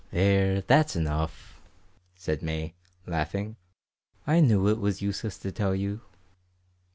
"There, that's enough," said May, laughing. "I knew it was useless to tell you."